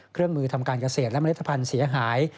เครื่องมือทำการเกษตรและเมล็ดพันธุ์เสียหาย